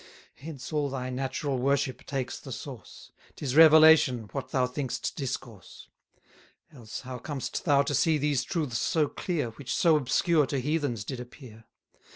Hence all thy natural worship takes the source: 70 'Tis revelation what thou think'st discourse. Else how com'st thou to see these truths so clear, Which so obscure to heathens did appear?